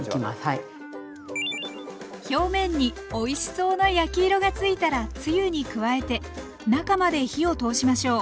表面においしそうな焼き色がついたらつゆに加えて中まで火を通しましょう。